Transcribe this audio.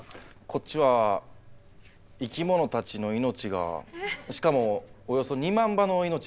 こっちは生き物たちの命がしかもおよそ２万羽の命が関わっています。